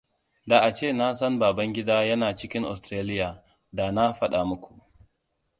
Da a ce na san Babangidaa yana cikin Ostiraliya, da na faɗa muku.